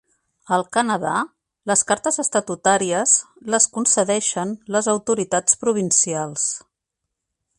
Al Canadà, les cartes estatutàries les concedeixen les autoritats provincials.